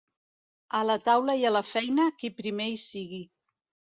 A la taula i a la feina, qui primer hi sigui.